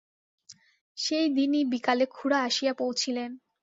সেই দিনই বিকালে খুড়া আসিয়া পৌঁছিলেন।